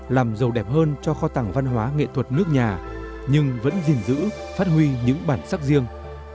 làm giàu đẹp hơn cho kho tẳng văn hóa nghệ thuật nước nhà nhưng vẫn gìn giữ phát huy những bản sắc riêng